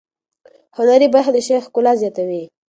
هنري برخه د شعر ښکلا زیاتوي.